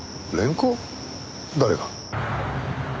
誰が？